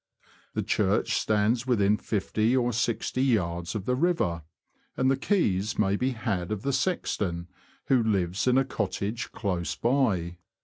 The church stands within fifty or sixty yards of the river, and the keys may be had of the sexton, who lives in a cottage close by.